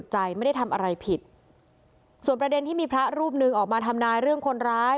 ใจไม่ได้ทำอะไรผิดส่วนประเด็นที่มีพระรูปหนึ่งออกมาทำนายเรื่องคนร้าย